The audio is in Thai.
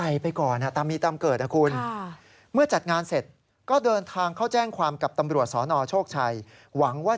หนูก็เลยโทรหาเค้าเค้าบอกว่าไม่มีชุดให้หนู